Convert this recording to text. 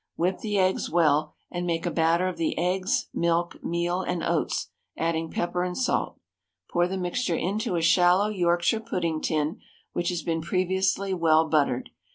Whip the eggs well, and make a batter of the eggs, milk, meal and oats, adding pepper and salt. Pour the mixture into a shallow Yorkshire pudding tin, which has been previously well buttered.